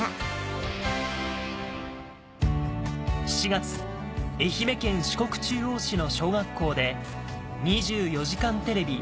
７月愛媛県四国中央市の小学校で『２４時間テレビ』